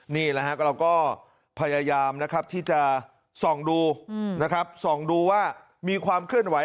นี่แหละฮะเราก็พยายามนะครับที่จะส่องดูนะครับส่องดูว่ามีความเคลื่อนไหว